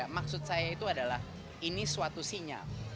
maksud saya itu adalah ini suatu sinyal